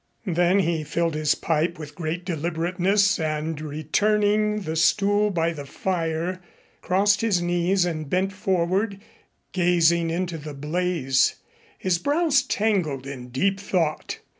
Then he filled his pipe with great deliberateness and, returning to the stool by the fire, crossed his knees and bent forward, gazing into the blaze, his brows tangled in deep thought.